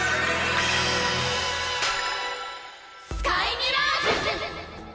スカイミラージュ！